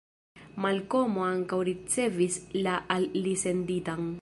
Malkomo ankaŭ ricevis la al li senditan.